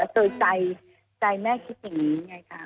โดยใจแม่คิดอย่างนี้ไงคะ